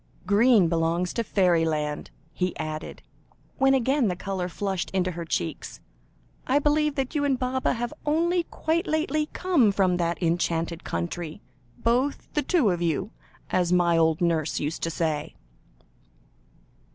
"Green belongs to fairyland," he added, when again the colour flushed into her cheeks. "I believe that you and Baba have only quite lately come from that enchanted country both the two of you, as my old nurse used to say."